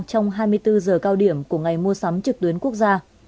trong hai mươi bốn giờ cao điểm của ngày mua sắm trực tuyến quốc gia